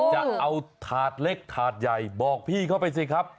จะเอาถาดเล็กถาดใหญ่บอกพี่เข้าไปสิครับ